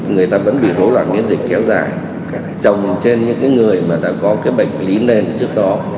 người ta vẫn bị hỗn loạn miễn dịch kéo dài trồng trên những người mà đã có cái bệnh lý nền trước đó